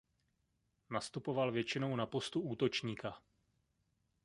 Nastupoval většinou na postu útočníka.